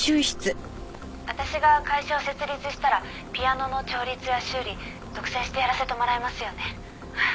「私が会社を設立したらピアノの調律や修理独占してやらせてもらえますよね？」